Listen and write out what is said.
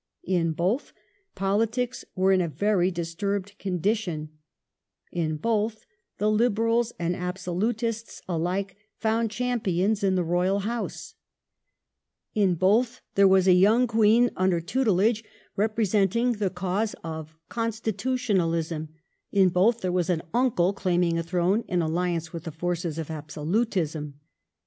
In both, politics were in a very disturbed condition ; in both, the Liberals and Absolutists alike found champions in the Royal House ; in both, there was a young Queen under tutelage representing the cause of " constitutionalism "; in both, there was an uncle claiming a throne in alliance with the forces of absolutism.